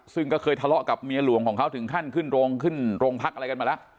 ซึ่งก็เคยทะเลาะกับเมียหลวงของเขาถึงขั้นขึ้นโรงขึ้นโรงพักอะไรกันมาแล้ว